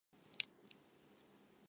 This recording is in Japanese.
定時退社